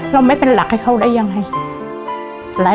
เราไม่เป็นหลักให้เขาได้ยังไง